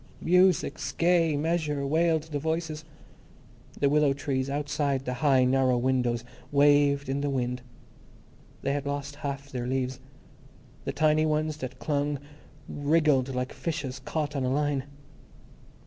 Music's Gay Measure, wailed the voices. The willow trees, outside the high, narrow windows, waved in the wind. They had lost half their leaves. The tiny ones that clung wriggled like fishes caught on a line.